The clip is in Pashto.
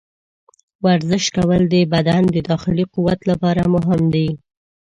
ورزش کول د بدن د داخلي قوت لپاره مهم دي.